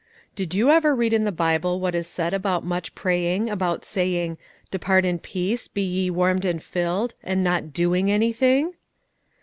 "Did you ever read in the Bible what is said about such praying, about saying, 'Depart in peace, be ye warmed and filled,' and not doing anything?"